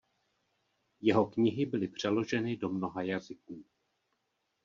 Jeho knihy byly přeloženy do mnoha jazyků.